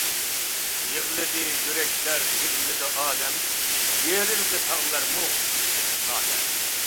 يىغلىدى يۈرەكلەر، يىغلىدى ئالەم، يېرىلدى تاغلارمۇ قىلىشىپ نالە.